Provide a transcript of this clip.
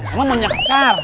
emang mau nyakar